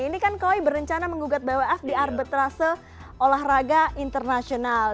ini kan koi berencana menggugat bwf di arbitra seolah raga internasional